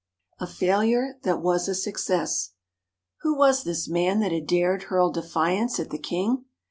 A Failure that was a Success Who was this man that had dared hurl defiance at the King?